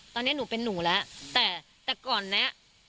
ตอนนี้หนูเป็นหนูแล้วแต่แต่ก่อนเนี้ย